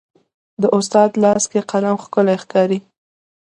د استاد لاس کې قلم ښکلی ښکاري.